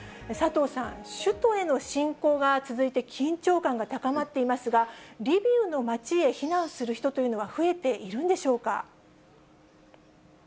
佐藤さん、首都への侵攻が続いて、緊張感が高まっていますが、リビウの街へ避難する人というのは増えているんでしょうか？